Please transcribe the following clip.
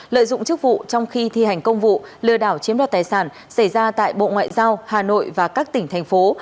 lợi dụng chức vụ trong khi thi hành công vụ lừa đảo chiếm đoạt tài sản xảy ra tại bộ ngoại giao hà nội và các tỉnh thành phố